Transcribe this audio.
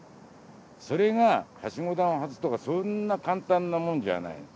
それがはしごを外すとかそんな簡単なもんじゃない。